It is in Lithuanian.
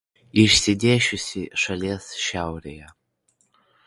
Išsidėsčiusi šalies šiaurėje.